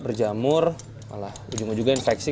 berjamur malah ujung ujungnya infeksi